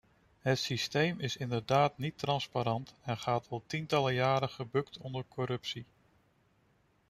Het systeem is inderdaad niet transparant en gaat al tientallen jaren gebukt onder corruptie.